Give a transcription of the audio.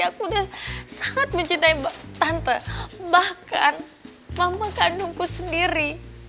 aku udah sangat mencintai bahkan mama kandungku sendiri